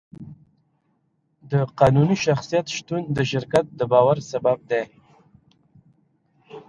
د قانوني شخصیت شتون د شرکت د باور سبب دی.